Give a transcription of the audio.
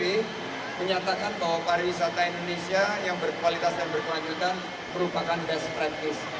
jadi menyatakan bahwa pariwisata indonesia yang berkualitas dan berkelanjutan merupakan best practice